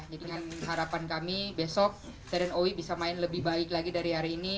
jadikan harapan kami besok seren owi bisa main lebih baik lagi dari hari ini